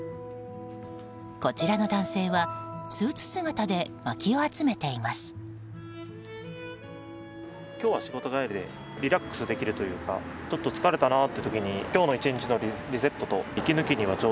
こちらの男性はスーツ姿でまきを集めています。